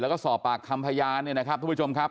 แล้วก็สอบปากคำพยานเนี่ยนะครับทุกผู้ชมครับ